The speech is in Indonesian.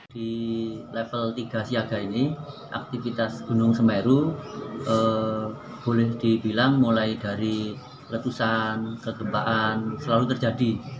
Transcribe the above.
di level tiga siaga ini aktivitas gunung semeru boleh dibilang mulai dari letusan kegempaan selalu terjadi